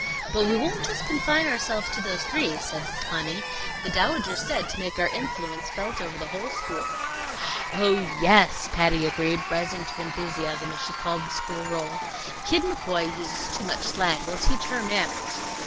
"But we won't just confine ourselves to those three," said Conny. "The Dowager said to make our influence felt over the whole school." "Oh, yes!" Patty agreed, rising to enthusiasm as she called the school roll. "Kid McCoy uses too much slang. We'll teach her manners.